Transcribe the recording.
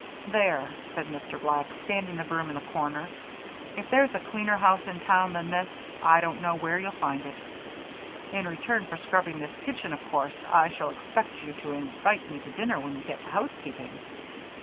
"There," said Mr. Black, standing the broom in the corner, "if there's a cleaner house in town than this, I don't know where you'll find it. In return for scrubbing this kitchen, of course, I shall expect you to invite me to dinner when you get to housekeeping."